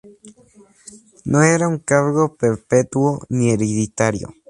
No era un cargo perpetuo ni hereditario.